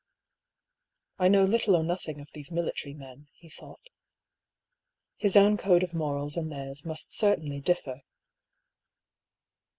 " I know little or nothing of these military men, he thought. His own code of morals and theirs must certainly differ.